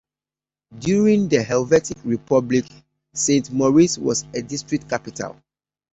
During the Helvetic Republic Saint-Maurice was a District capital.